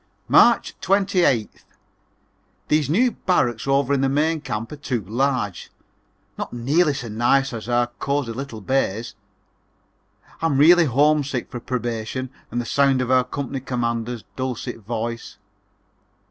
March 28th. These new barracks over in the main camp are too large; not nearly so nice as our cosey little bays. I'm really homesick for Probation and the sound of our old company commander's dulcet voice.